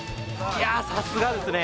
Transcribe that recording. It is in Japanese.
いやさすがですね